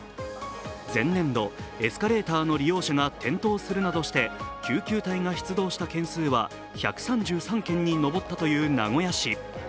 前年度、エスカレーターの利用者が転倒するなどして救急隊が出動した件数は１３３件に上ったという名古屋市。